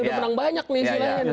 udah menang banyak nih